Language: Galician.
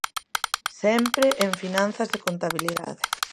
Sempre en finanzas e contabilidade.